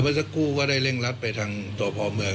เมื่อสักครู่ก็ได้เร่งรัดไปทางตัวพอเมือง